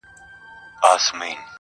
• زه مي د ميني په نيت وركړمه زړه.